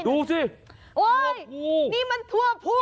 อ๋อนี่มันถั่วพู